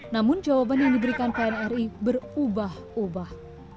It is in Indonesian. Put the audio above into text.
namun jawaban yang diberikan pnri berubah ubah